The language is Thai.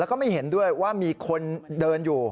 แล้วก็ไม่เห็นด้วยว่ามีคนเดินอยู่